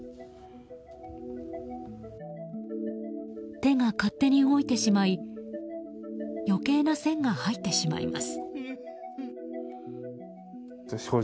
手が勝手に動いてしまい余計な線が入ってしまいます。